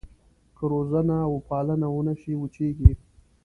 که روزنه وپالنه ونه شي وچېږي.